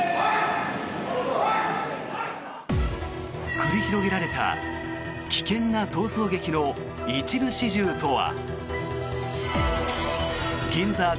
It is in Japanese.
繰り広げられた危険な逃走劇の一部始終とは。